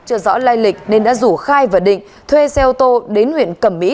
chưa rõ lai lịch nên đã rủ khai và định thuê xe ô tô đến huyện cẩm mỹ